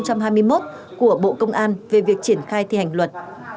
của bộ công an về việc triển khai thi hành luật